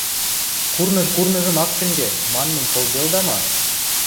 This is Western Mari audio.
– «Курныж курныжым ак чӹнгӹ» манмым колделда ма?